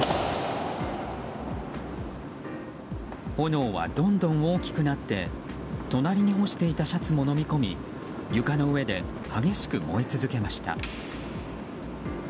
炎はどんどん大きくなって隣に干していたシャツものみ込み床の上で激しく燃え続けました。